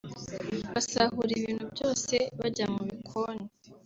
basahura ibintu byose bajya mu bikoni